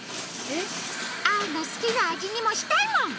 えっ？アオのすきなあじにもしたいもん！